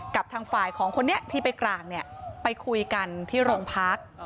กับทางฝ่ายของคนนี้ที่ไปกลางเนี่ยไปคุยกันที่โรงพัก